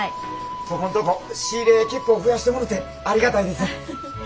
ここんとこ仕入れ結構増やしてもろてありがたいです。